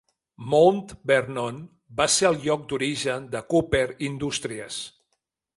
Mount Vernon va ser el lloc d'origen de Cooper Industries.